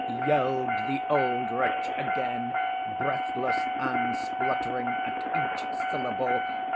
yelled the old wretch again, breathless and spluttering at each syllable.